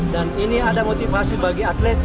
dan ini ada motivasi bagi atlet